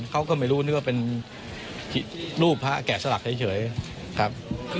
เขาก็ไม่รู้นึกว่าเป็นรูปพระแกะสลักเฉยครับ